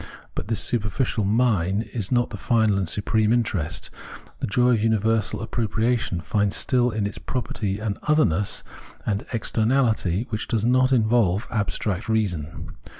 But this superficial " mine " is not its final and supreme interest. The joy of universal appropriation finds still in its property an otherness and externality which does not involve abstract reason.